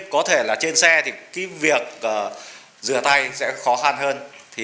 có thể là trên xe thì việc rửa tay sẽ khó khăn hơn